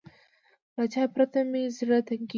له چای پرته مې زړه تنګېږي.